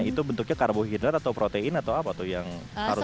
itu bentuknya karbohidrat atau protein atau apa tuh yang harus